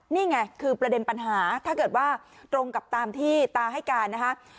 นี่ไงคือประเด็นปัญหาถ้าเกิดว่าตรงกับตามที่ตาให้การนะฮะ